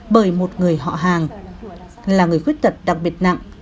bởi một người họ hàng là người khuyết tật đặc biệt nặng